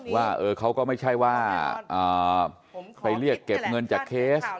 ว่าเขาก็ไม่ใช่ว่าไปเรียกเก็บเงินจากเคส